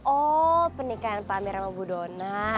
oh pernikahan pak amir sama bu dona